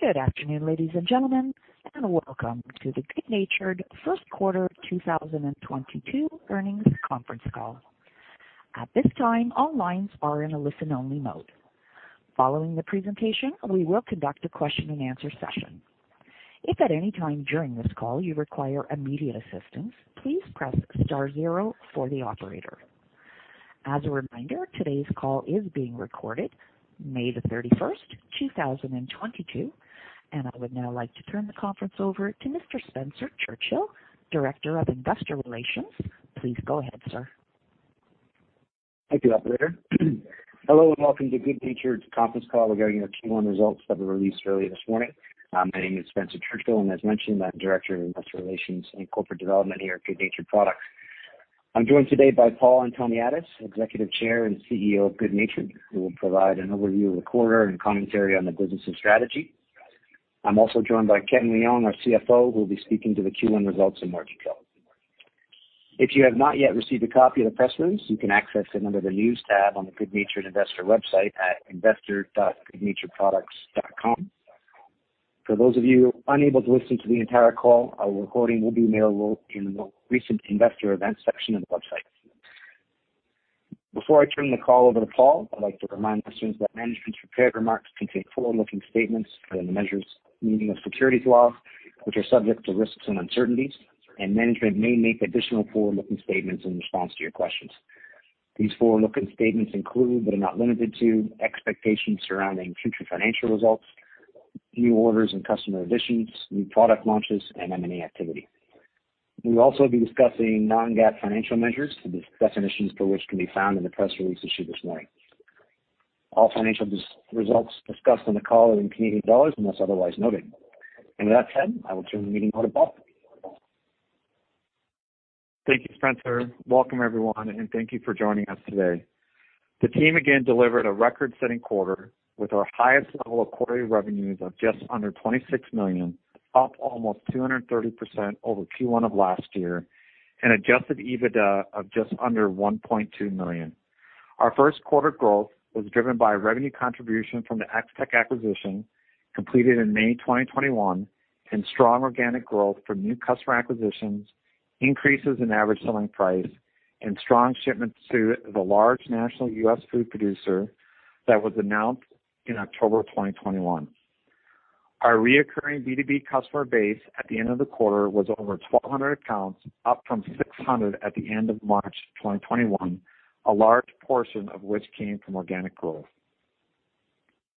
Good afternoon, ladies and gentlemen, and welcome to the good natured Products First quarter 2022 Earnings Conference Call. At this time, all lines are in a listen-only mode. Following the presentation, we will conduct a question-and-answer session. If at any time during this call you require immediate assistance, please press star zero for the operator. As a reminder, today's call is being recorded, May 31, 2022, and I would now like to turn the conference over to Mr. Spencer Churchill, Director of Investor Relations. Please go ahead, sir. Thank you, operator. Hello, and welcome to good natured Products's conference call regarding our Q1 results that were released earlier this morning. My name is Spencer Churchill, and as mentioned, I'm Director of Investor Relations and Corporate Development here at good natured Products. I'm joined today by Paul Antoniadis, Executive Chair and CEO of good natured Products, who will provide an overview of the quarter and commentary on the business and strategy. I'm also joined by Kevin Leong, our CFO, who will be speaking to the Q1 results in more detail. If you have not yet received a copy of the press release, you can access it under the News tab on the good natured Products investor website at investor.goodnaturedproducts.com. For those of you unable to listen to the entire call, a recording will be available in the Recent Investor Events section of the website. Before I turn the call over to Paul, I'd like to remind listeners that management's prepared remarks contain forward-looking statements within the meaning of securities laws, which are subject to risks and uncertainties, and management may make additional forward-looking statements in response to your questions. These forward-looking statements include, but are not limited to, expectations surrounding future financial results, new orders and customer additions, new product launches, and M&A activity. We will also be discussing non-GAAP financial measures, the definitions for which can be found in the press release issued this morning. All financial results discussed on the call are in Canadian dollars, unless otherwise noted. With that said, I will turn the meeting over to Paul. Thank you, Spencer. Welcome, everyone, and thank you for joining us today. The team again delivered a record-setting quarter with our highest level of quarterly revenues of just under 26 million, up almost 230% over Q1 of last year, and adjusted EBITDA of just under 1.2 million. Our first quarter growth was driven by revenue contribution from the Ex-Tech acquisition completed in May 2021, and strong organic growth from new customer acquisitions, increases in average selling price, and strong shipments to the large national U.S. food producer that was announced in October 2021. Our recurring B2B customer base at the end of the quarter was over 1,200 accounts, up from 600 at the end of March 2021, a large portion of which came from organic growth.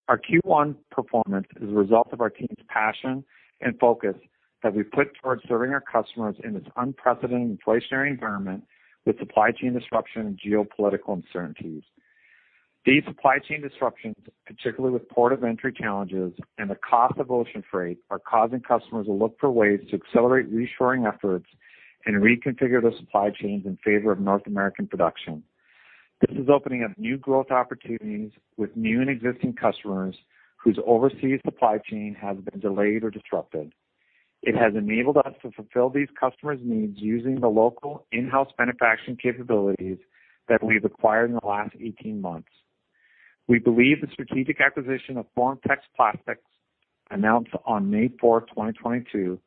Our Q1 performance is a result of our team's passion and focus that we put towards serving our customers in this unprecedented inflationary environment with supply chain disruption and geopolitical uncertainties. These supply chain disruptions, particularly with port of entry challenges and the cost of ocean freight, are causing customers to look for ways to accelerate reshoring efforts and reconfigure their supply chains in favor of North American production. This is opening up new growth opportunities with new and existing customers whose overseas supply chain has been delayed or disrupted. It has enabled us to fulfill these customers' needs using the local in-house manufacturing capabilities that we've acquired in the last 18 months. We believe the strategic acquisition of FormTex Plastics, announced on May fourth, 2022,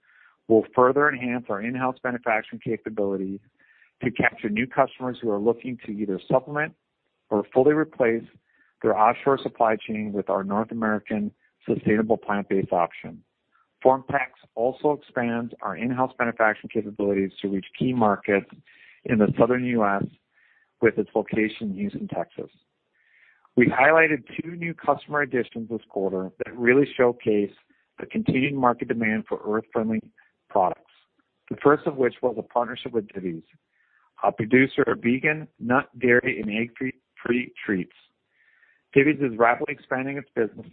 will further enhance our in-house manufacturing capabilities to capture new customers who are looking to either supplement or fully replace their offshore supply chain with our North American sustainable plant-based option. FormTex also expands our in-house manufacturing capabilities to reach key markets in the Southern U.S. with its location in Houston, Texas. We highlighted two new customer additions this quarter that really showcase the continued market demand for earth-friendly products, the first of which was a partnership with Divvies, a producer of vegan, nut, dairy, and egg-free treats. Divvies is rapidly expanding its business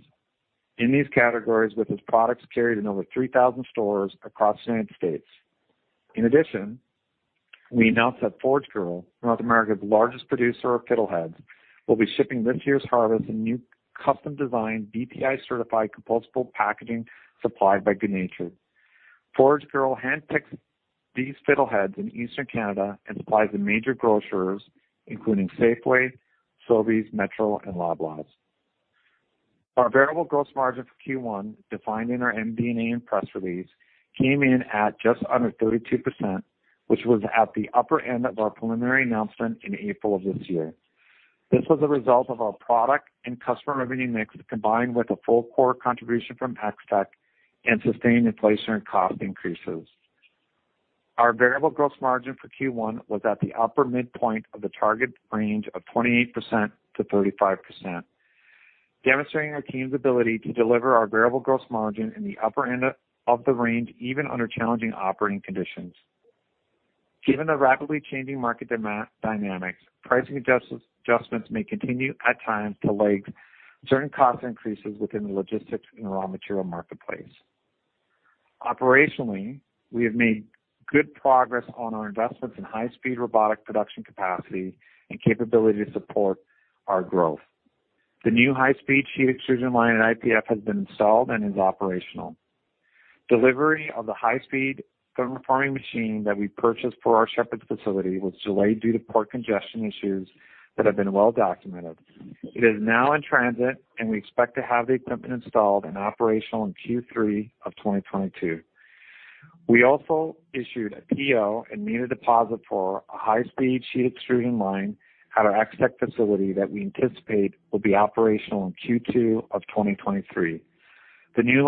in these categories, with its products carried in over 3,000 stores across the United States. In addition, we announced that ForageGirl, North America's largest producer of fiddleheads, will be shipping this year's harvest in new custom-designed, BPI-certified compostable packaging supplied by good natured Products. ForageGirl handpicks these fiddleheads in Eastern Canada and supplies the major grocers, including Safeway, Sobeys, Metro, and Loblaws. Our variable gross margin for Q1, defined in our MD&A and press release, came in at just under 32%, which was at the upper end of our preliminary announcement in April of this year. This was a result of our product and customer revenue mix, combined with a full quarter contribution from Ex-Tech and sustained inflationary cost increases. Our variable gross margin for Q1 was at the upper midpoint of the target range of 28%-35%, demonstrating our team's ability to deliver our variable gross margin in the upper end of the range, even under challenging operating conditions. Given the rapidly changing market dynamics, pricing adjustments may continue at times to lag certain cost increases within the logistics and raw material marketplace. Operationally, we have made good progress on our investments in high-speed robotic production capacity and capability to support our growth. The new high-speed sheet extrusion line at IPF has been installed and is operational. Delivery of the high speed thermoforming machine that we purchased for our Shepherd facility was delayed due to port congestion issues that have been well documented. It is now in transit, and we expect to have the equipment installed and operational in Q3 of 2022. We also issued a PO and made a deposit for a high speed sheet extrusion line at our Ex-Tech facility that we anticipate will be operational in Q2 of 2023. The new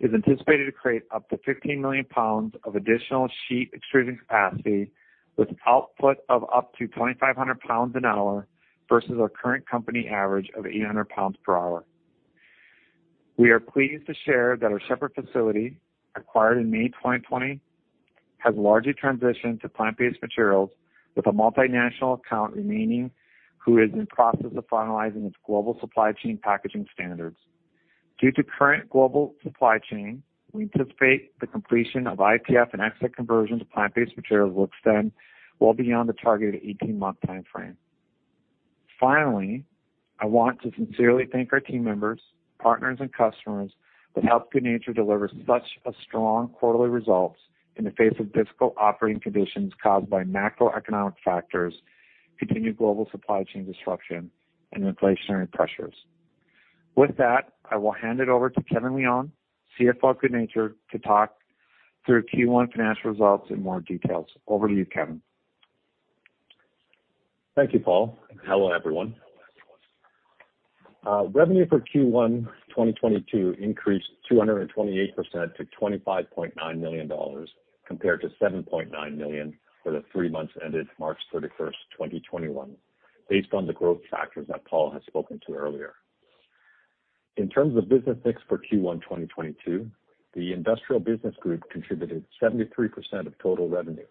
line is anticipated to create up to 15 million lbs of additional sheet extrusion capacity with output of up to 2,500 lbs an hour versus our current company average of 800 lbs per hour. We are pleased to share that our Shepherd facility, acquired in May 2020, has largely transitioned to plant-based materials with a multinational account remaining who is in process of finalizing its global supply chain packaging standards. Due to current global supply chain, we anticipate the completion of IPF and Ex-Tech conversion to plant-based materials will extend well beyond the targeted 18-month time frame. Finally, I want to sincerely thank our team members, partners and customers that helped good natured deliver such a strong quarterly results in the face of difficult operating conditions caused by macroeconomic factors, continued global supply chain disruption and inflationary pressures. With that, I will hand it over to Kevin Leong, CFO of good natured Products, to talk through Q1 financial results in more details. Over to you, Kevin. Thank you, Paul. Hello, everyone. Revenue for Q1 2022 increased 228% to 25.9 million dollars, compared to 7.9 million for the three months ended March 31, 2021, based on the growth factors that Paul has spoken to earlier. In terms of business mix for Q1 2022, the industrial business group contributed 73% of total revenue,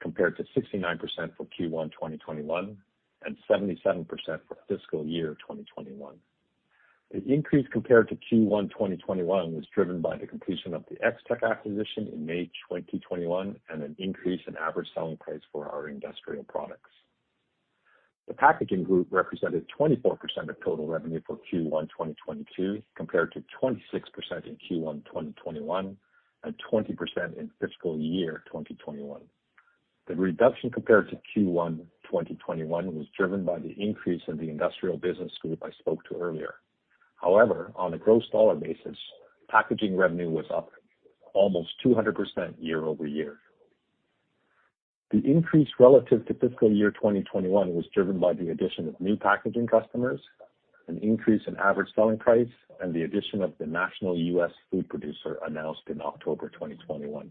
compared to 69% for Q1 2021 and 77% for fiscal year 2021. The increase compared to Q1 2021 was driven by the completion of the Ex-Tech acquisition in May 2021 and an increase in average selling price for our industrial products. The packaging group represented 24% of total revenue for Q1 2022, compared to 26% in Q1 2021 and 20% in fiscal year 2021. The reduction compared to Q1 2021 was driven by the increase in the industrial business group I spoke to earlier. However, on a gross dollar basis, packaging revenue was up almost 200% year-over-year. The increase relative to fiscal year 2021 was driven by the addition of new packaging customers, an increase in average selling price and the addition of the national U.S. food producer announced in October 2021.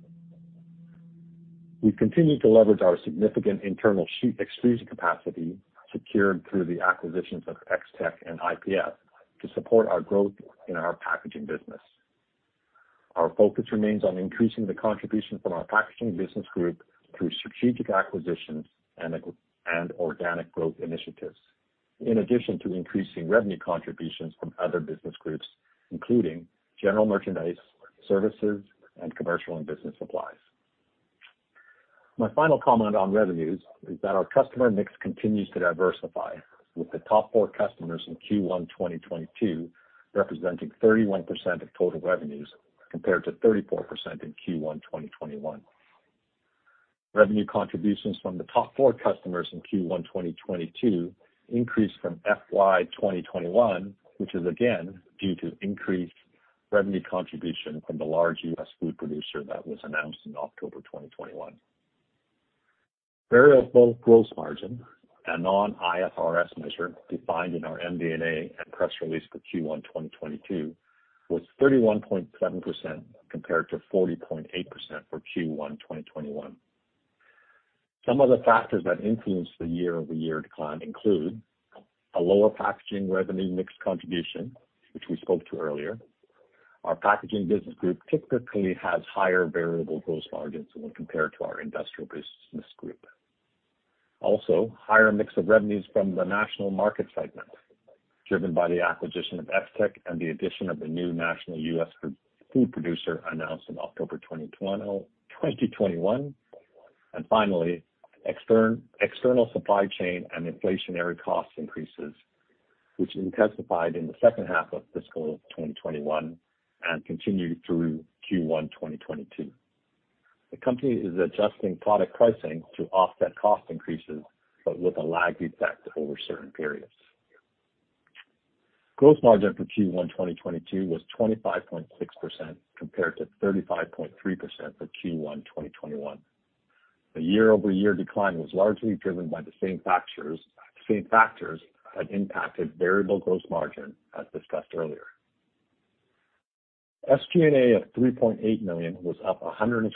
We've continued to leverage our significant internal sheet extrusion capacity secured through the acquisitions of Ex-Tech and IPF to support our growth in our packaging business. Our focus remains on increasing the contribution from our packaging business group through strategic acquisitions and organic growth initiatives, in addition to increasing revenue contributions from other business groups, including general merchandise, services and commercial and business supplies. My final comment on revenues is that our customer mix continues to diversify, with the top four customers in Q1 2022 representing 31% of total revenues compared to 34% in Q1 2021. Revenue contributions from the top four customers in Q1 2022 increased from FY 2021, which is again due to increased revenue contribution from the large US food producer that was announced in October 2021. Variable gross margin, a non-IFRS measure defined in our MD&A and press release for Q1 2022, was 31.7% compared to 40.8% for Q1 2021. Some of the factors that influenced the year-over-year decline include a lower packaging revenue mix contribution, which we spoke to earlier. Our packaging business group typically has higher variable gross margins when compared to our industrial business group. Also, higher mix of revenues from the national market segment, driven by the acquisition of Ex-Tech and the addition of the new national US food producer announced in October 2021. Finally, external supply chain and inflationary cost increases, which intensified in the second half of fiscal 2021 and continued through Q1 2022. The company is adjusting product pricing to offset cost increases, but with a lag effect over certain periods. Gross margin for Q1 2022 was 25.6% compared to 35.3% for Q1 2021. The year-over-year decline was largely driven by the same factors that impacted variable gross margin as discussed earlier. SG&A of 3.8 million was up 123%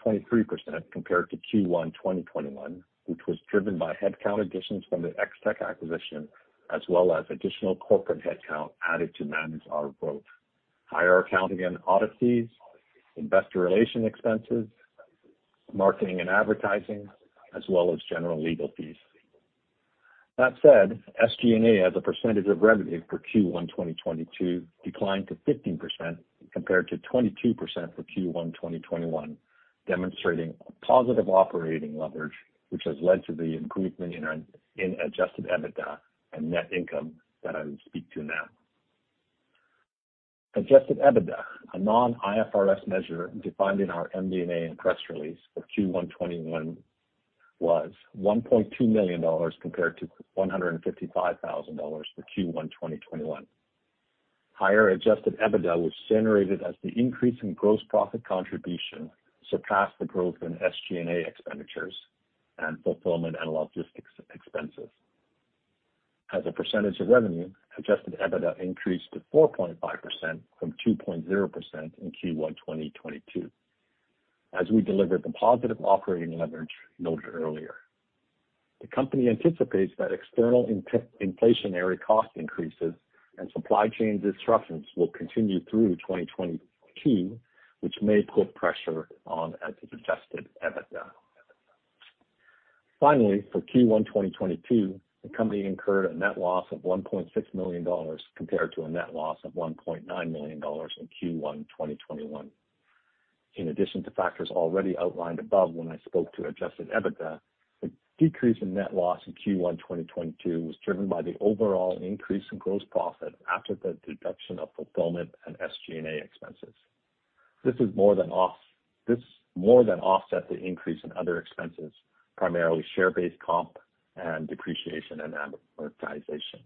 compared to Q1 2021, which was driven by headcount additions from the Ex-Tech acquisition as well as additional corporate headcount added to manage our growth, higher accounting and audit fees, investor relations expenses, marketing and advertising, as well as general legal fees. That said, SG&A as a percentage of revenue for Q1 2022 declined to 15% compared to 22% for Q1 2021, demonstrating a positive operating leverage, which has led to the improvement in our adjusted EBITDA and net income that I will speak to now. Adjusted EBITDA, a non-IFRS measure defined in our MD&A and press release for Q1 2021, was 1.2 million dollars compared to 155,000 dollars for Q1 2021. Higher adjusted EBITDA was generated as the increase in gross profit contribution surpassed the growth in SG&A expenditures and fulfillment and logistics expenses. As a percentage of revenue, adjusted EBITDA increased to 4.5% from 2.0% in Q1 2022 as we delivered the positive operating leverage noted earlier. The company anticipates that external inflationary cost increases and supply chain disruptions will continue through 2022, which may put pressure on adjusted EBITDA. Finally, for Q1 2022, the company incurred a net loss of 1.6 million dollars compared to a net loss of 1.9 million dollars in Q1 2021. In addition to factors already outlined above when I spoke to adjusted EBITDA, the decrease in net loss in Q1 2022 was driven by the overall increase in gross profit after the deduction of fulfillment and SG&A expenses. This is more than off. This more than offset the increase in other expenses, primarily share-based comp and depreciation and amortization.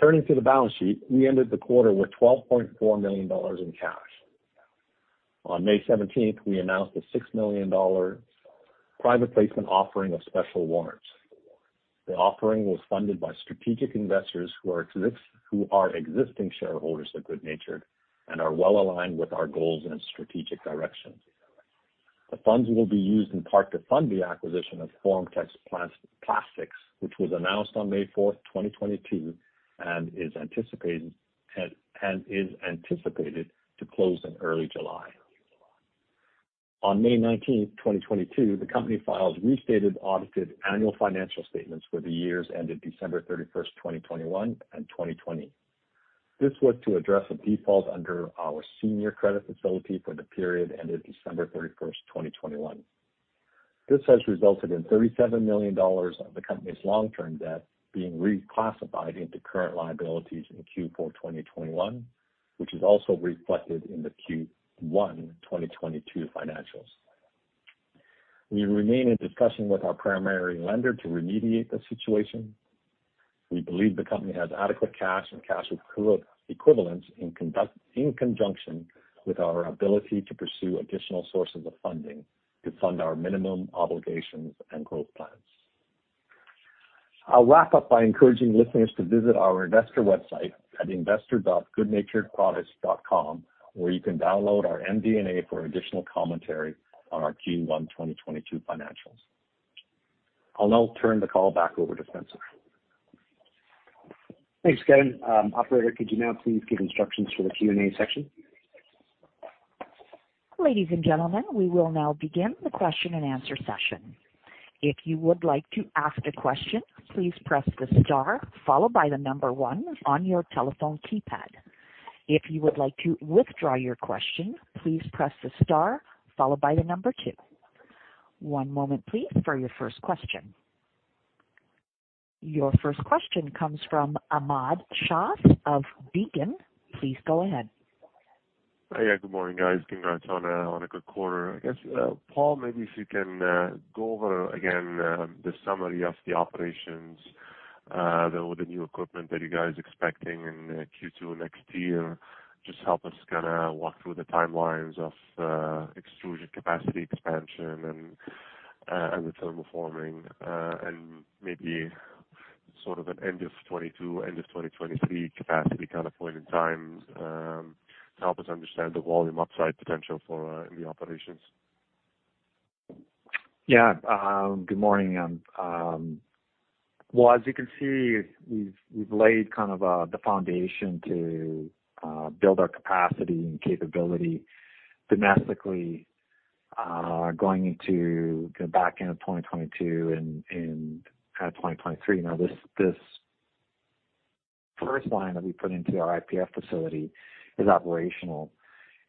Turning to the balance sheet, we ended the quarter with 12.4 million dollars in cash. On May 17, we announced a 6 million dollars private placement offering of special warrants. The offering was funded by strategic investors who are existing shareholders of good natured Products and are well aligned with our goals and strategic direction. The funds will be used in part to fund the acquisition of FormTex Plastics, which was announced on May 4, 2022, and is anticipated to close in early July. On May 19, 2022, the company filed restated audited annual financial statements for the years ended December 31, 2021, and 2020. This was to address a default under our senior credit facility for the period ended December 31, 2021. This has resulted in 37 million dollars of the company's long-term debt being reclassified into current liabilities in Q4 2021, which is also reflected in the Q1 2022 financials. We remain in discussion with our primary lender to remediate the situation. We believe the company has adequate cash and cash equivalents in conjunction with our ability to pursue additional sources of funding to fund our minimum obligations and growth plans. I'll wrap up by encouraging listeners to visit our investor website at investor.goodnaturedproducts.com, where you can download our MD&A for additional commentary on our Q1 2022 financials. I'll now turn the call back over to Spencer. Thanks, Kevin. Operator, could you now please give instructions for the Q&A section? Ladies and gentlemen, we will now begin the question-and-answer session. If you would like to ask a question, please press the star followed by the number one on your telephone keypad. If you would like to withdraw your question, please press the star followed by the number two. One moment, please, for your first question. Your first question comes from Ahmad Shaath of Beacon. Please go ahead. Yeah. Good morning, guys. Congrats on a good quarter. I guess, Paul, maybe if you can go over again the summary of the operations with the new equipment that you guys expecting in Q2 next year. Just help us kinda walk through the timelines of extrusion capacity expansion and the thermoforming and maybe sort of an end of 2022, end of 2023 capacity kind of point in time to help us understand the volume upside potential for in the operations. Yeah. Good morning. Well, as you can see, we've laid kind of the foundation to build our capacity and capability domestically, going into the back end of 2022 and 2023. Now, this first line that we put into our IPF facility is operational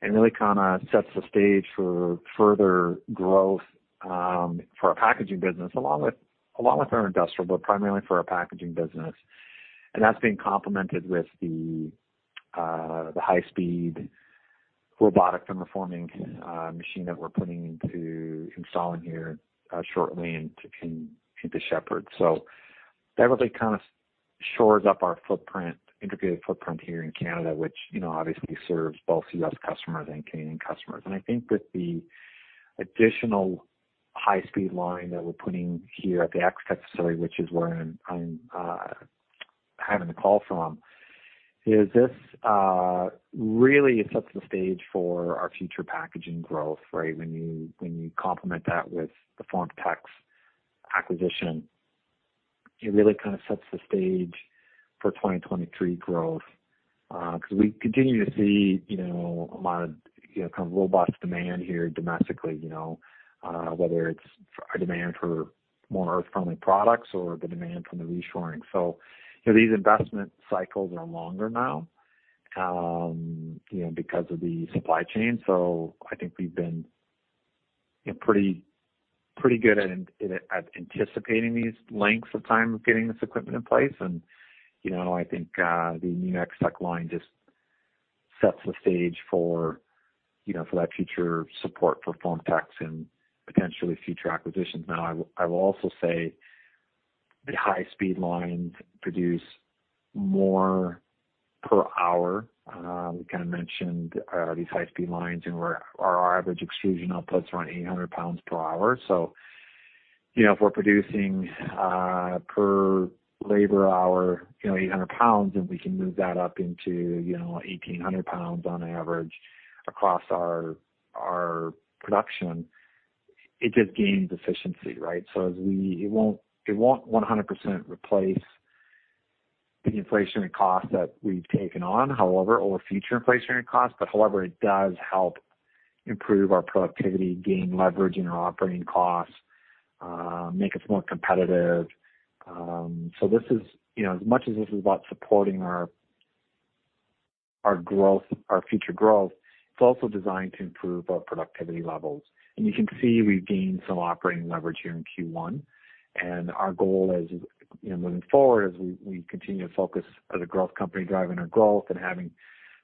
and really kinda sets the stage for further growth for our packaging business, along with our industrial, but primarily for our packaging business. That's being complemented with the high-speed robotic thermoforming machine that we're installing here shortly into Shepherd. That really kind of shores up our footprint, integrated footprint here in Canada, which, you know, obviously serves both US customers and Canadian customers. I think that the additional high-speed line that we're putting here at the Ex-Tech facility, which is where I'm having the call from, really sets the stage for our future packaging growth, right? When you complement that with the FormTex acquisition, it really kind of sets the stage for 2023 growth, 'cause we continue to see, you know, Ahmad, you know, kind of robust demand here domestically, you know, whether it's a demand for more earth-friendly products or the demand from the reshoring. These investment cycles are longer now, you know, because of the supply chain. I think we've been, you know, pretty good at anticipating these lengths of time of getting this equipment in place. You know, I think the new extrusion line just sets the stage for, you know, for that future support for FormTex and potentially future acquisitions. Now, I will also say the high-speed lines produce more per hour. We kind of mentioned these high-speed lines and where our average extrusion outputs around 800 lbs per hour. You know, if we're producing per labor hour, you know, 800 lbs, and we can move that up into, you know, 1,800 lbs on average across our production, it just gains efficiency, right? It won't 100% replace the inflationary costs that we've taken on, however, or future inflationary costs. However, it does help improve our productivity, gain leverage in our operating costs, make us more competitive. This is, you know, as much as this is about supporting our growth, our future growth, it's also designed to improve our productivity levels. You can see we've gained some operating leverage here in Q1. Our goal is, you know, moving forward, as we continue to focus as a growth company, driving our growth and having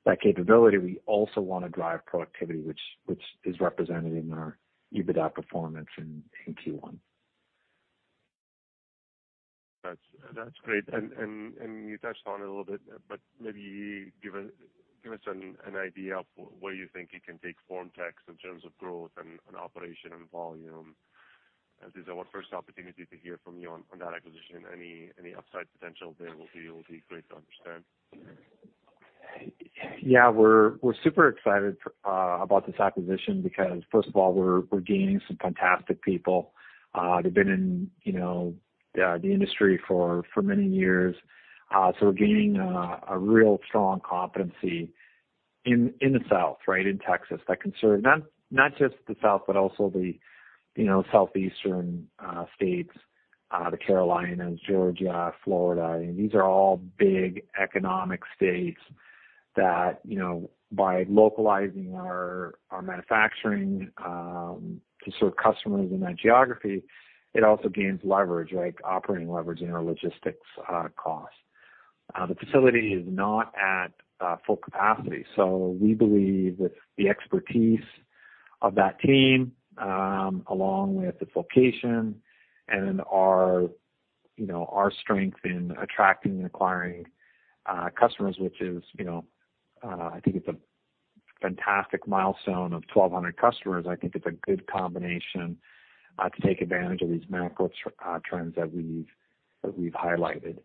that capability, we also wanna drive productivity, which is represented in our EBITDA performance in Q1. That's great. You touched on it a little bit, but maybe give us an idea of where you think you can take FormTex in terms of growth and operation and volume. This is our first opportunity to hear from you on that acquisition. Any upside potential there will be great to understand. Yeah, we're super excited about this acquisition because first of all, we're gaining some fantastic people. They've been in the industry for many years. So we're gaining a real strong competency in the South, right? In Texas, that can serve not just the South, but also the, you know, southeastern states, the Carolinas, Georgia, Florida. These are all big economic states that, you know, by localizing our manufacturing to serve customers in that geography, it also gains leverage, like operating leverage in our logistics costs. The facility is not at full capacity, so we believe with the expertise of that team along with the location and our, you know, our strength in attracting and acquiring customers, which is, you know, I think it's a fantastic milestone of 1,200 customers. I think it's a good combination to take advantage of these macro trends that we've highlighted.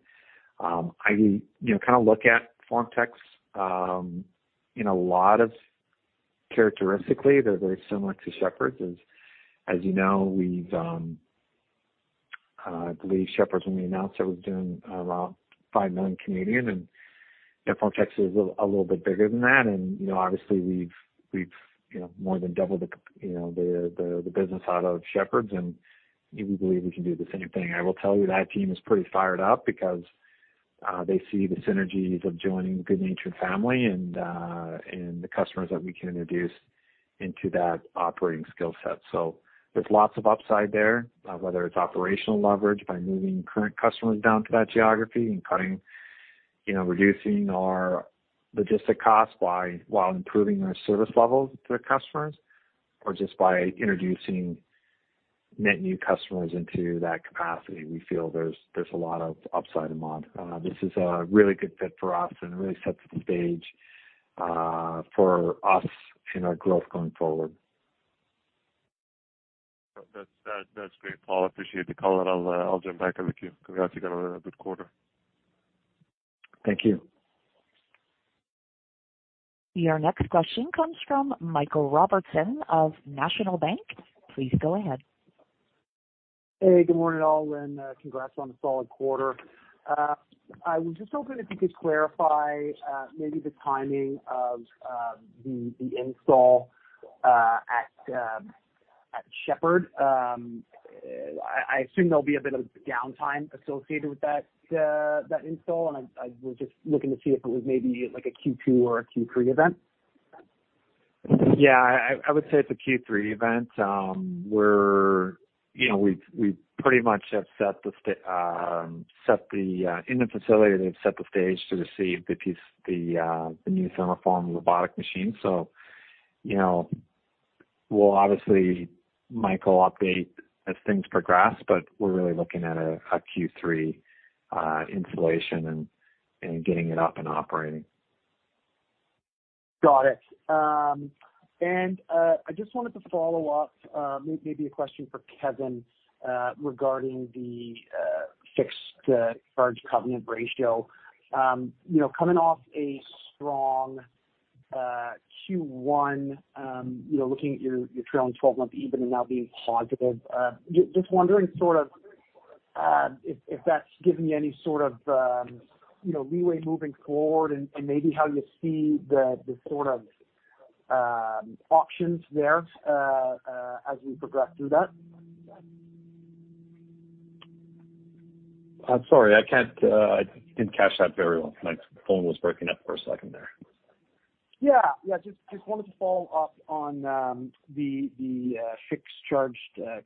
I, you know, kind of look at FormTex. Characteristically they're very similar to Shepherd. As you know, I believe Shepherd, when we announced that, was doing around 5 million, and FormTex is a little bit bigger than that. You know, obviously we've more than doubled, you know, the business out of Shepherd and we believe we can do the same thing. I will tell you that team is pretty fired up because they see the synergies of joining the good natured family and the customers that we can introduce into that operating skill set. There's lots of upside there, whether it's operational leverage by moving current customers down to that geography and cutting, you know, reducing our logistics costs by while improving our service levels to the customers or just by introducing net new customers into that capacity. We feel there's a lot of upside in mode. This is a really good fit for us and really sets the stage for us in our growth going forward. That's great, Paul. I appreciate the color. I'll jump back with you. Congrats, you got a good quarter. Thank you. Your next question comes from Michael Robertson of National Bank Financial. Please go ahead. Hey, good morning, all, and congrats on the solid quarter. I was just hoping if you could clarify maybe the timing of the install at Shepherd. I assume there'll be a bit of downtime associated with that install. I was just looking to see if it was maybe like a Q2 or a Q3 event. Yeah, I would say it's a Q3 event. You know, we pretty much have set the stage in the facility. They've set the stage to receive the piece, the new thermoform robotic machine. You know, we'll obviously, Michael, update as things progress, but we're really looking at a Q3 installation and getting it up and operating. Got it. I just wanted to follow up, maybe a question for Kevin, regarding the fixed charge coverage ratio. You know, coming off a strong Q1, you know, looking at your trailing twelve month EBIT and now being positive, just wondering sort of, if that's given you any sort of, you know, leeway moving forward and maybe how you see the sort of options there, as we progress through that? I'm sorry, I can't, I didn't catch that very well. My phone was breaking up for a second there. Yeah. Just wanted to follow up on the fixed charge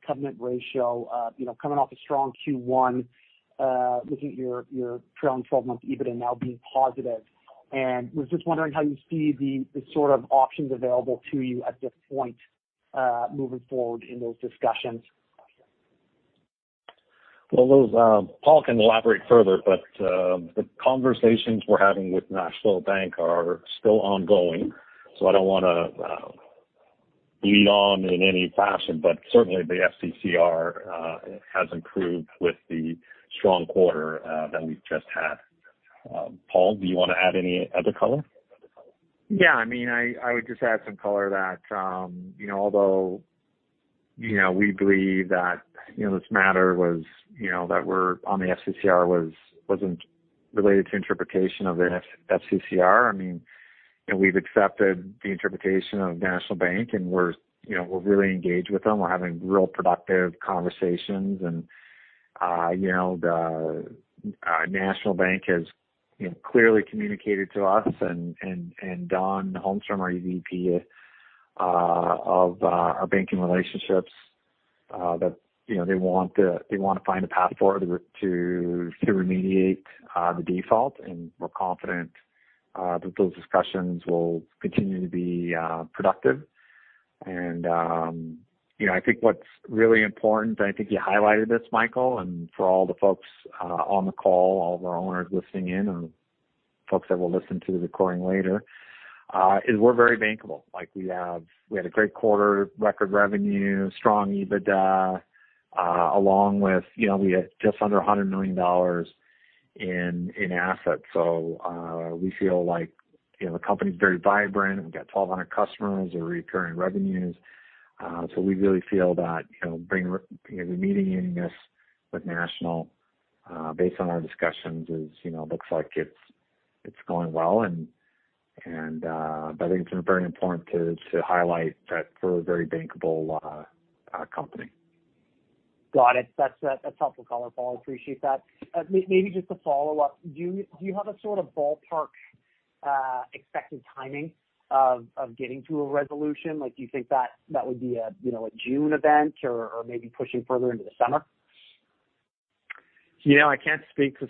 covenant ratio. You know, coming off a strong Q1, looking at your trailing twelve month EBITDA now being positive. Was just wondering how you see the sort of options available to you at this point, moving forward in those discussions. Well, Paul can elaborate further, but the conversations we're having with National Bank Financial are still ongoing, so I don't wanna lead on in any fashion. Certainly the FCCR has improved with the strong quarter that we've just had. Paul, do you wanna add any other color? Yeah, I mean, I would just add some color that, you know, although, you know, we believe that, you know, this matter wasn't related to interpretation of the FCCR. I mean, you know, we've accepted the interpretation of National Bank Financial and we're, you know, really engaged with them. We're having real productive conversations and, you know, National Bank Financial has, you know, clearly communicated to us and Don Holmstrom, our EVP of our banking relationships, that, you know, they want to find a path forward to remediate the default. We're confident that those discussions will continue to be productive. You know, I think what's really important, I think you highlighted this, Michael, and for all the folks on the call, all of our owners listening in and folks that will listen to the recording later, is we're very bankable. Like, we had a great quarter, record revenue, strong EBITDA, along with, you know, we had just under 100 million dollars in assets. So, we feel like, you know, the company's very vibrant. We've got 1,200 customers, we're recurring revenues. So we really feel that, you know, remediating this with National, based on our discussions is, you know, looks like it's going well. I think it's very important to highlight that we're a very bankable company. Got it. That's helpful color, Paul, appreciate that. Maybe just to follow up. Do you have a sort of ballpark expected timing of getting to a resolution? Like do you think that would be a you know a June event or maybe pushing further into the summer? You know, I can't speak to,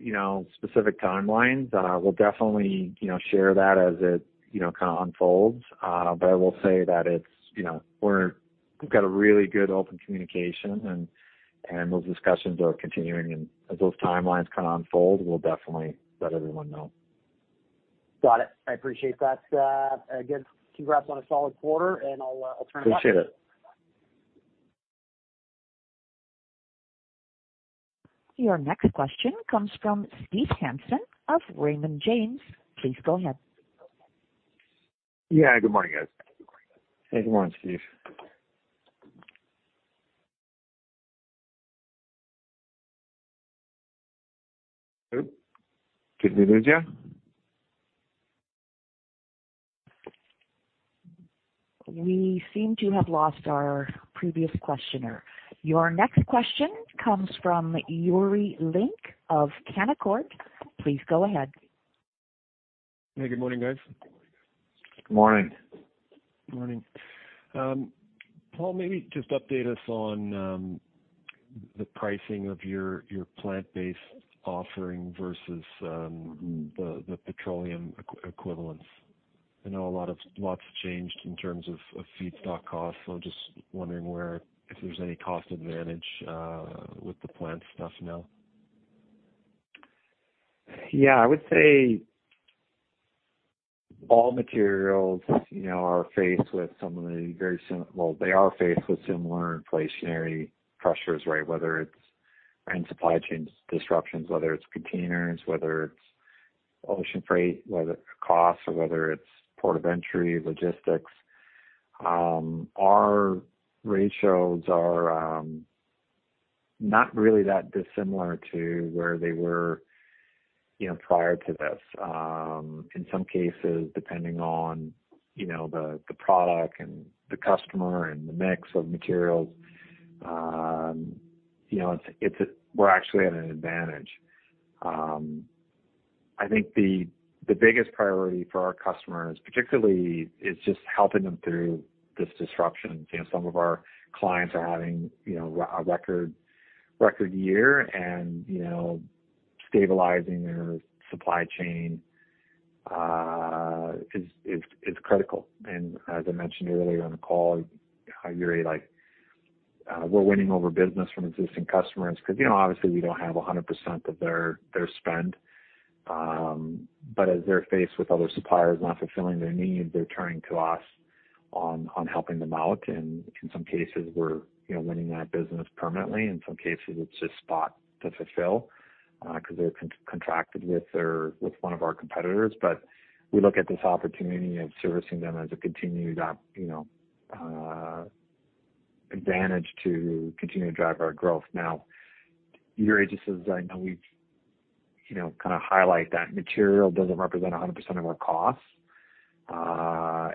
you know, specific timelines. We'll definitely, you know, share that as it, you know, kinda unfolds. I will say that it's, you know, we've got a really good open communication and those discussions are continuing and as those timelines kinda unfold, we'll definitely let everyone know. Got it. I appreciate that. Again, congrats on a solid quarter and I'll turn it back to you. Appreciate it. Your next question comes from Steve Hansen of Raymond James. Please go ahead. Yeah. Good morning, guys. Hey, good morning, Steve. Oh, did we lose you? We seem to have lost our previous questioner. Your next question comes from Yuri Lynk of Canaccord. Please go ahead. Hey, good morning, guys. Good morning. Morning. Paul, maybe just update us on the pricing of your plant-based offering versus- Mm-hmm. The petroleum equivalence. I know lots changed in terms of feedstock costs, so just wondering where if there's any cost advantage with the plant stuff now. Yeah, I would say all materials, you know, are faced with some of the very similar inflationary pressures, right? Whether it's in supply chain disruptions, whether it's containers, whether it's ocean freight, whether it's costs or whether it's port of entry logistics. Our ratios are not really that dissimilar to where they were, you know, prior to this. In some cases, depending on, you know, the product and the customer and the mix of materials, you know, it's actually at an advantage. I think the biggest priority for our customers particularly is just helping them through this disruption. You know, some of our clients are having, you know, a record year and, you know, stabilizing their supply chain is critical. As I mentioned earlier on the call, Yuri, like, we're winning over business from existing customers 'cause, you know, obviously we don't have 100% of their spend. But as they're faced with other suppliers not fulfilling their needs, they're turning to us on helping them out. In some cases we're, you know, winning that business permanently. In some cases it's just spot to fulfill, 'cause they're contracted with their with one of our competitors. But we look at this opportunity of servicing them as a continued advantage to continue to drive our growth. Now, Yuri, just as I know you know kind of highlight that material doesn't represent 100% of our costs,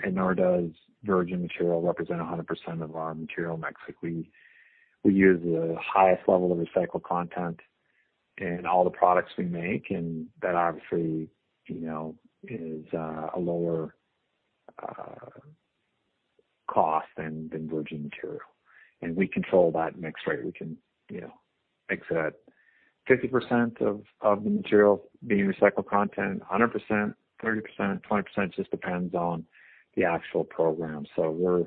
and nor does virgin material represent 100% of our material mix. Like, we use the highest level of recycled content in all the products we make, and that obviously, you know, is a lower cost than virgin material. We control that mix rate. We can, you know, make that 50% of the material being recycled content, 100%, 30%, 20%, just depends on the actual program. We're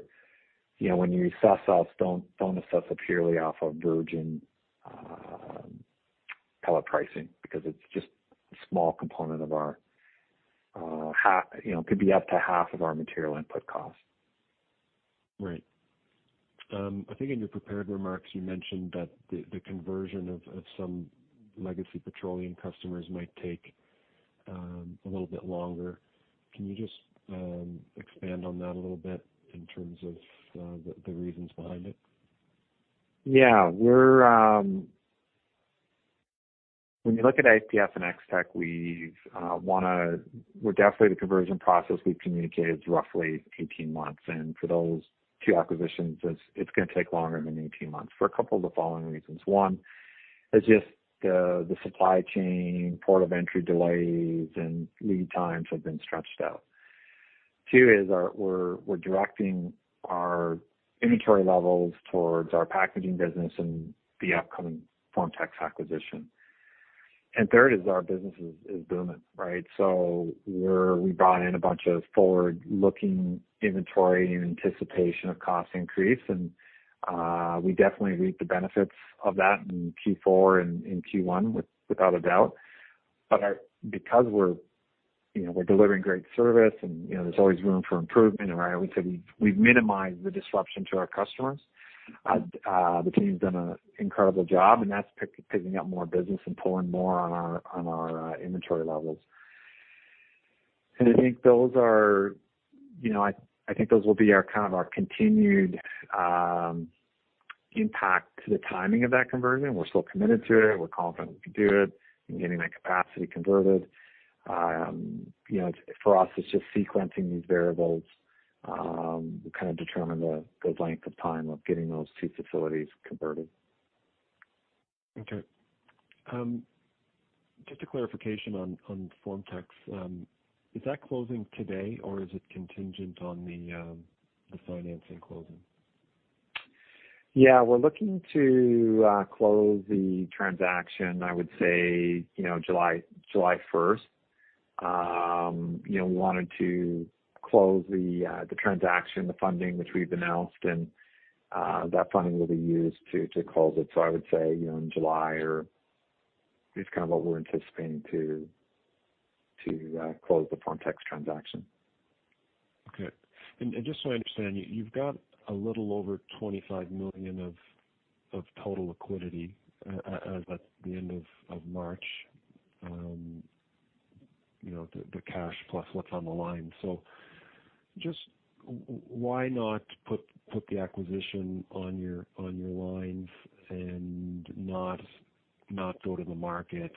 you know, when you assess us, don't assess us purely off of virgin pellet pricing because it's just a small component of our half. You know, could be up to half of our material input costs. Right. I think in your prepared remarks, you mentioned that the conversion of some legacy petroleum customers might take a little bit longer. Can you just expand on that a little bit in terms of the reasons behind it? Yeah. When you look at IPF and Ex-Tech, we're definitely the conversion process we've communicated is roughly 18 months, and for those two acquisitions it's gonna take longer than 18 months for a couple of the following reasons. One is just the supply chain, port of entry delays and lead times have been stretched out. Two is we're directing our inventory levels towards our packaging business and the upcoming FormTex acquisition. And third is our business is booming, right? We bought in a bunch of forward-looking inventory in anticipation of cost increase and we definitely reap the benefits of that in Q4 and in Q1 without a doubt. Because we're, you know, we're delivering great service and, you know, there's always room for improvement, and I always say, we've minimized the disruption to our customers. The team's done an incredible job, and that's picking up more business and pulling more from our inventory levels. I think those will be our kind of our continued impact to the timing of that conversion. We're still committed to it. We're confident we can do it and getting that capacity converted. You know, for us, it's just sequencing these variables to kind of determine the length of time of getting those two facilities converted. Okay. Just a clarification on FormTex. Is that closing today, or is it contingent on the financing closing? Yeah. We're looking to close the transaction, I would say, you know, July first. You know, we wanted to close the transaction, the funding which we've announced, and that funding will be used to close it. I would say, you know, in July. It's kind of what we're anticipating to close the FormTex transaction. Okay. Just so I understand, you've got a little over 25 million of total liquidity at the end of March, you know, the cash plus what's on the line. Just why not put the acquisition on your lines and not go to the market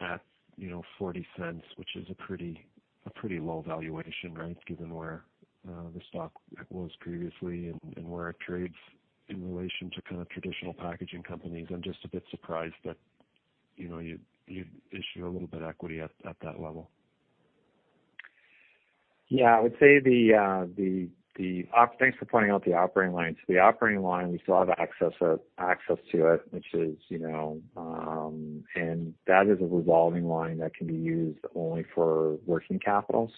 at, you know, 0.40, which is a pretty low valuation, right, given where the stock was previously and where it trades in relation to kind of traditional packaging companies. I'm just a bit surprised that, you know, you'd issue a little bit of equity at that level. Yeah. I would say. Thanks for pointing out the operating line. The operating line, we still have access to it, which is, you know, that is a revolving line that can be used only for working capital.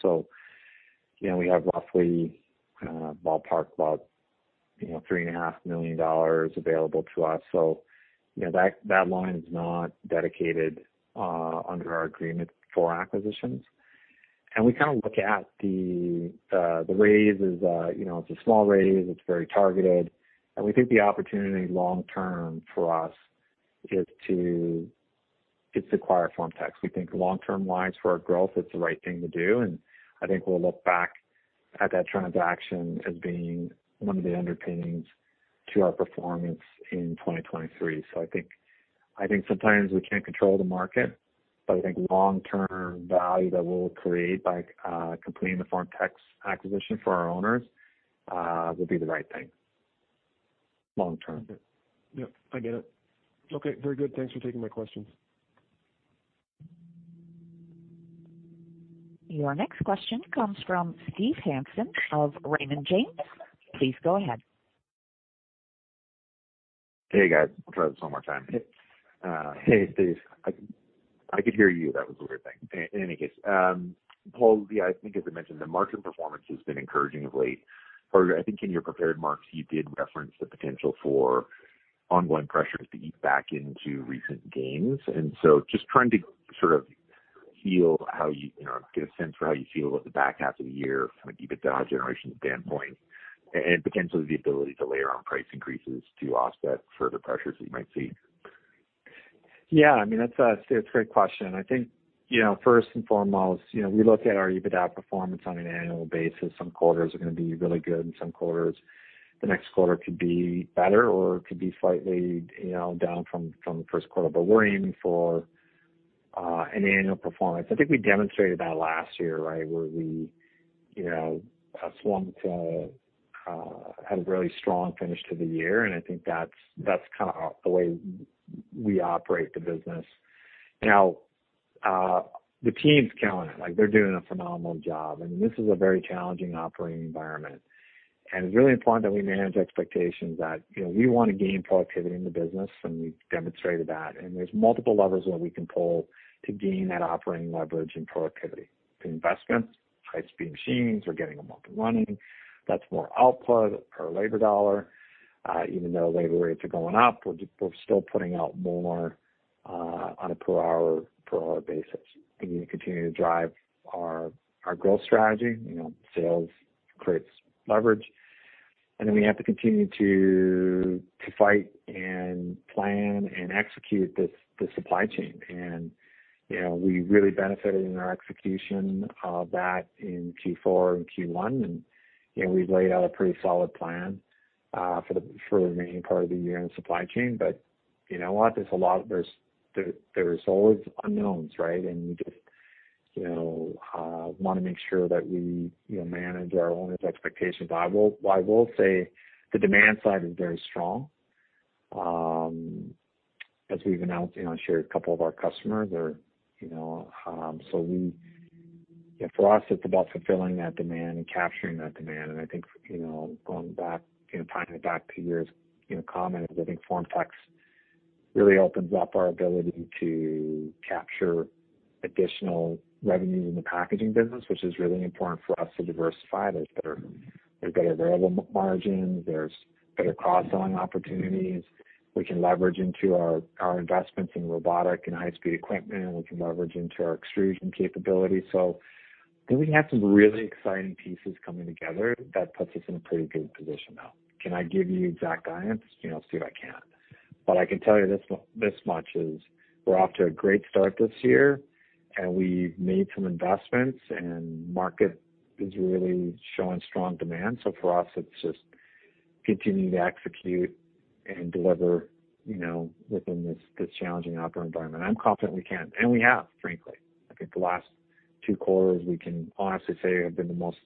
You know, we have roughly, ballpark about, you know, 3.5 million dollars available to us. You know, that line is not dedicated under our agreement for acquisitions. We kind of look at the raise as, you know, it's a small raise, it's very targeted, and we think the opportunity long term for us is to acquire FormTex. We think long-term wise for our growth, it's the right thing to do, and I think we'll look back at that transaction as being one of the underpinnings to our performance in 2023. I think sometimes we can't control the market, but I think long-term value that we'll create by completing the FormTex acquisition for our owners will be the right thing, long term. Yep. I get it. Okay. Very good. Thanks for taking my questions. Your next question comes from Steve Hansen of Raymond James. Please go ahead. Hey, guys. I'll try this one more time. Hey, Steve. I could hear you. That was the weird thing. In any case, Paul, yeah, I think as I mentioned, the margin performance has been encouraging of late, or I think in your prepared remarks you did reference the potential for ongoing pressures to eat back into recent gains. Just trying to sort of feel how you know, get a sense for how you feel about the back half of the year from an EBITDA generation standpoint and potentially the ability to layer on price increases to offset further pressures that you might see. Yeah. I mean, that's a great question, Steve. I think, you know, first and foremost, you know, we look at our EBITDA performance on an annual basis. Some quarters are gonna be really good, and some quarters the next quarter could be better or could be slightly, you know, down from the first quarter. We're aiming for an annual performance. I think we demonstrated that last year, right? Where we, you know, swung to had a really strong finish to the year, and I think that's the way we operate the business. Now, the team's killing it. Like, they're doing a phenomenal job. I mean, this is a very challenging operating environment. It's really important that we manage expectations that, you know, we wanna gain productivity in the business, and we've demonstrated that. There's multiple levers that we can pull to gain that operating leverage and productivity. The investments, high-speed machines, we're getting them up and running. That's more output per labor dollar. Even though labor rates are going up, we're still putting out more on a per hour basis. We need to continue to drive our growth strategy. You know, sales creates leverage. Then we have to continue to fight and plan and execute this, the supply chain. You know, we really benefited in our execution of that in Q4 and Q1. You know, we've laid out a pretty solid plan for the remaining part of the year in supply chain. But you know what? There is always unknowns, right? We just, you know, want to make sure that we, you know, manage our owners' expectations. But I will say the demand side is very strong, as we've announced, you know, shared a couple of our customers are, you know, so we. Yeah, for us, it's about fulfilling that demand and capturing that demand. I think, you know, going back, you know, tying it back to your, you know, comment, I think FormTex really opens up our ability to capture additional revenue in the packaging business, which is really important for us to diversify. There's better available margins. There's better cross-selling opportunities. We can leverage into our investments in robotic and high-speed equipment. We can leverage into our extrusion capabilities. I think we have some really exciting pieces coming together that puts us in a pretty good position now. Can I give you exact guidance? You know, Steve, I can't. I can tell you this much is we're off to a great start this year, and we've made some investments, and market is really showing strong demand. For us, it's just continuing to execute and deliver, you know, within this challenging operating environment. I'm confident we can, and we have, frankly. I think the last two quarters, we can honestly say have been the most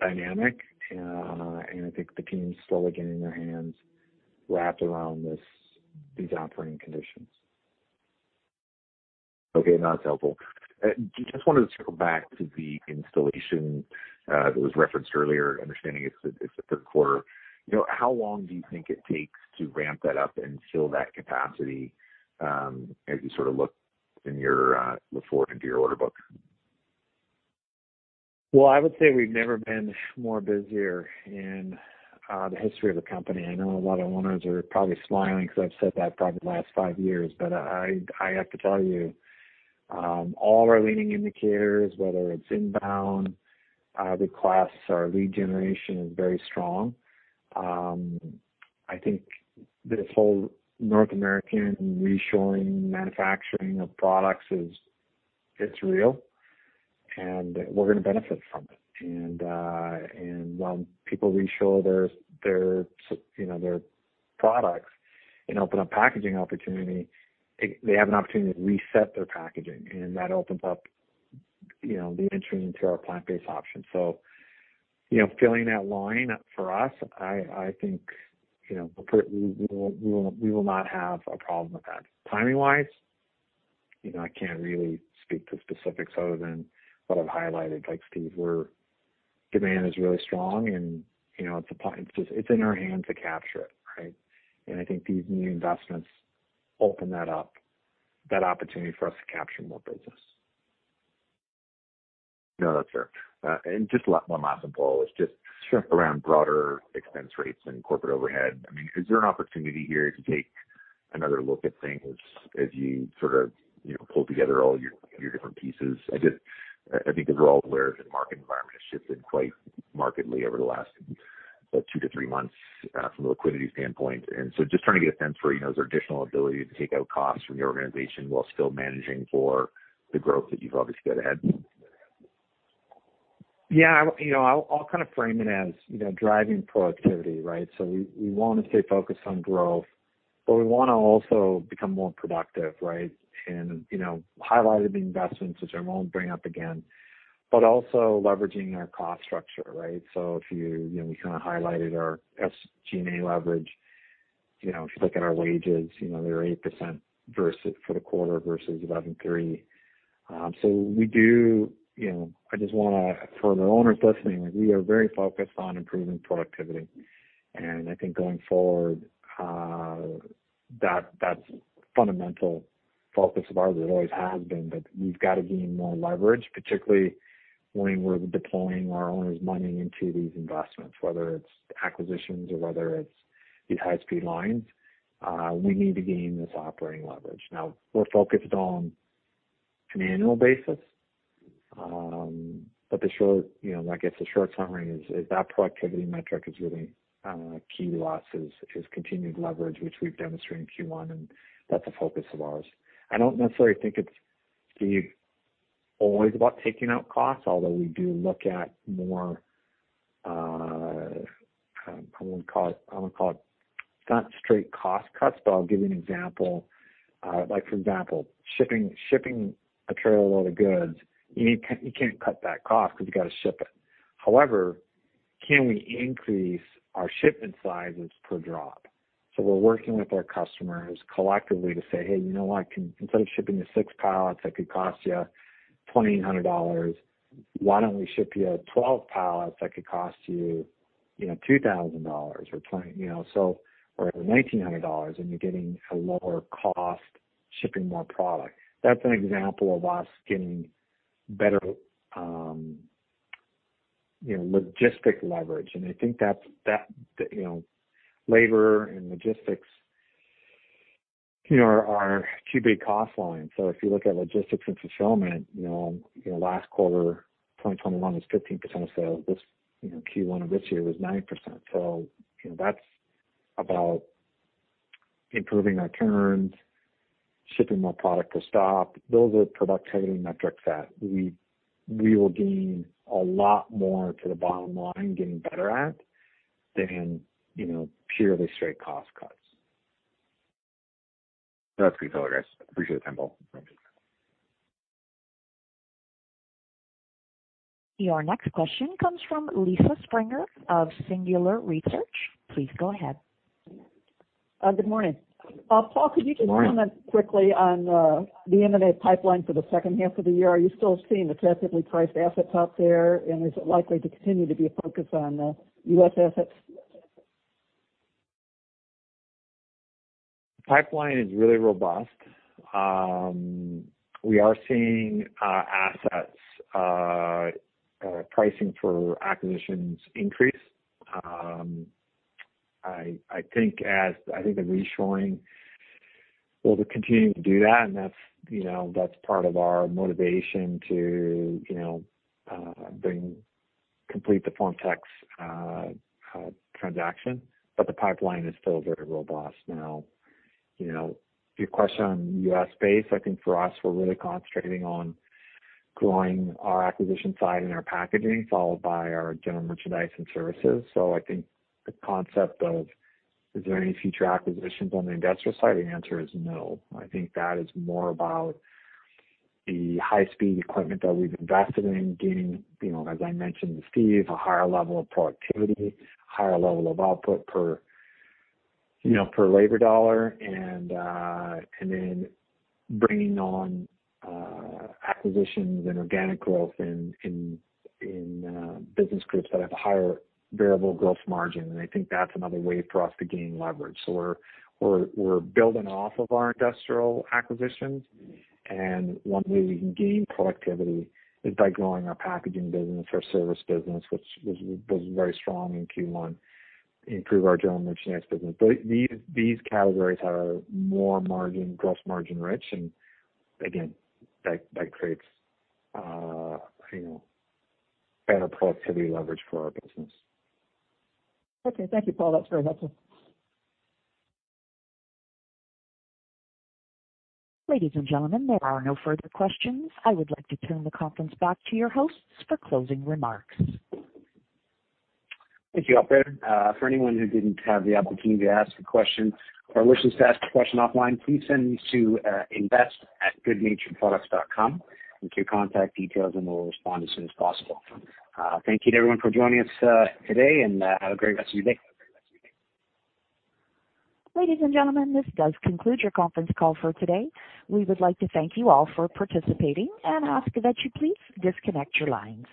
dynamic, and I think the team's slowly getting their hands wrapped around these operating conditions. Okay. No, that's helpful. Just wanted to circle back to the installation that was referenced earlier, understanding it's the third quarter. You know, how long do you think it takes to ramp that up and fill that capacity, as you sort of look forward into your order book? Well, I would say we've never been more busier in the history of the company. I know a lot of owners are probably smiling 'cause I've said that probably the last five years. But I have to tell you, all our leading indicators, whether it's inbound, the calls, our lead generation is very strong. I think this whole North American reshoring manufacturing of products is, it's real, and we're gonna benefit from it. And when people reshore their you know, their products and open up packaging opportunity, they have an opportunity to reset their packaging, and that opens up, you know, the entry into our plant-based options. You know, filling that line for us, I think, you know, we will not have a problem with that. Timing-wise, you know, I can't really speak to specifics other than what I've highlighted. Like, Steve, demand is really strong and, you know, it's just, it's in our hands to capture it, right? I think these new investments open that up, that opportunity for us to capture more business. No, that's fair. And just one last one, Paul. It's just around broader expense rates and corporate overhead. I mean, is there an opportunity here to take another look at things as you sort of, you know, pull together all your different pieces? I think because we're all aware that the market environment has shifted quite markedly over the last two to three months from a liquidity standpoint. Just trying to get a sense for, you know, is there additional ability to take out costs from the organization while still managing for the growth that you've obviously got ahead? Yeah. You know, I'll kind of frame it as, you know, driving productivity, right? We wanna stay focused on growth, but we wanna also become more productive, right? You know, highlighted the investments, which I won't bring up again, but also leveraging our cost structure, right? If you know, we kind of highlighted our SG&A leverage. You know, if you look at our wages, you know, they're 8% versus 11.3% for the quarter. You know, I just wanna, for the owners listening, like, we are very focused on improving productivity. I think going forward, that's fundamental focus of ours. It always has been, but we've got to gain more leverage, particularly when we're deploying our owners' money into these investments, whether it's acquisitions or whether it's these high-speed lines. We need to gain this operating leverage. Now, we're focused on an annual basis. The short, you know, I guess the short summary is that productivity metric is really key to us, is continued leverage, which we've demonstrated in Q1, and that's a focus of ours. I don't necessarily think it's, Steve, always about taking out costs, although we do look at more, I would call it not straight cost cuts, but I'll give you an example. Like for example, shipping a trailer load of goods, you can't cut that cost because you got to ship it. However, can we increase our shipment sizes per drop? We're working with our customers collectively to say, "Hey, you know what? Instead of shipping you 6 pallets that could cost you 2,800 dollars, why don't we ship you 12 pallets that could cost you know, 2,000 dollars or twenty, you know, so or 1,900 dollars, and you're getting a lower cost shipping more product. That's an example of us getting better, you know, logistic leverage. I think that's, that, you know, labor and logistics, you know, are two big cost lines. If you look at logistics and fulfillment, you know, you know last quarter, 2021 was 15% of sales. This, you know, Q1 of this year was 9%. You know, that's about improving our turns, shipping more product per stop. Those are productivity metrics that we will gain a lot more to the bottom line, getting better at than, you know, purely straight cost cuts. That's great. Tell her, guys, I appreciate the tempo. Your next question comes from Lisa Springer of Singular Research. Please go ahead. Good morning. Paul, could you? Good morning. Can you comment quickly on the M&A pipeline for the second half of the year? Are you still seeing attractively priced assets out there? Is it likely to continue to be a focus on the U.S. assets? Pipeline is really robust. We are seeing assets pricing for acquisitions increase. I think the reshoring will continue to do that. That's, you know, that's part of our motivation to, you know, complete the FormTex transaction. The pipeline is still very robust. Now, you know, your question on U.S. base, I think for us, we're really concentrating on growing our acquisition side and our packaging, followed by our general merchandise and services. I think the concept of is there any future acquisitions on the industrial side, the answer is no. I think that is more about the high-speed equipment that we've invested in getting, you know, as I mentioned to Steve, a higher level of productivity, higher level of output per, you know, per labor dollar, and then bringing on acquisitions and organic growth in business groups that have a higher variable gross margin. I think that's another way for us to gain leverage. We're building off of our industrial acquisitions. One way we can gain productivity is by growing our packaging business, our service business, which was very strong in Q1, improve our general merchandise business. These categories are more gross margin rich. That creates, you know, better productivity leverage for our business. Okay. Thank you, Paul. That's very helpful. Ladies and gentlemen, there are no further questions. I would like to turn the conference back to your hosts for closing remarks. Thank you, operator. For anyone who didn't have the opportunity to ask a question or wishes to ask a question offline, please send these to invest@goodnaturedproducts.com with your contact details, and we'll respond as soon as possible. Thank you to everyone for joining us, today, and have a great rest of your day. Ladies and gentlemen, this does conclude your conference call for today. We would like to thank you all for participating and ask that you please disconnect your lines.